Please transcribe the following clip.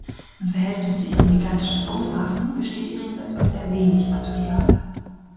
Im Verhältnis zu ihren gigantischen Ausmaßen besteht die Ringwelt aus sehr wenig Material.